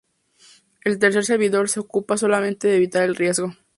El tercer servidor se ocupa solamente de evitar el riesgo.